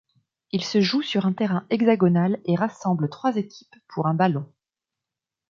Il se joue sur un terrain hexagonal et rassemble trois équipes pour un ballon.